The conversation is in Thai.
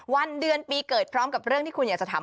วันเดือนปีเกิดพร้อมกับเรื่องที่คุณอยากจะทำ